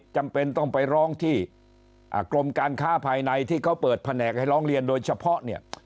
จำเป็นต้องไปร้องที่กรมการค้าภายในที่เขาเปิดแผนกให้ร้องเรียนโดยเฉพาะเนี่ย